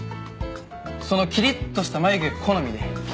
そのキリッとした眉毛が好みで。